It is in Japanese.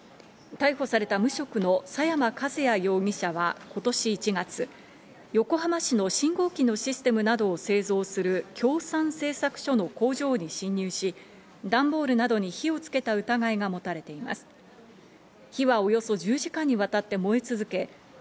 逮捕された無職の佐山和也容疑者は、今年１月、横浜市の信号機のシステムなどを製造する京三製作所の工場に侵入し、ダンボールなどに火をつけた疑いが持たれています。